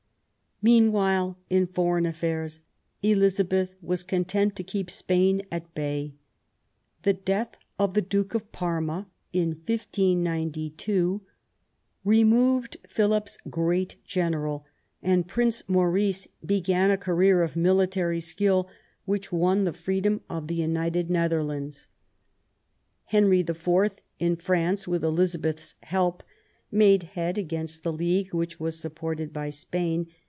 Meanwhile, in foreign affairs, Elizabeth was con tent to keep Spain at bay. The death of the Duke of Parma, in 1592, removed Philip's great general^ and Prince Maurice began a career of military skill which won the freedom of the United Netherlands. Henry IV., in France, with Elizabeth's help, made head against the league which was supported by Spain.